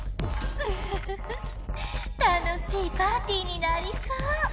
ウフフフ楽しいパーティーになりそう。